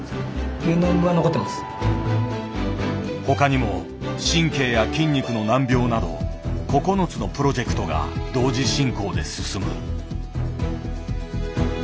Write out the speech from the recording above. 他にも神経や筋肉の難病など９つのプロジェクトが同時進行で進む。